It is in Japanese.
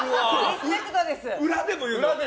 裏でも言うの！